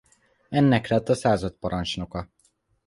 Ennek lett a századparancsnoka.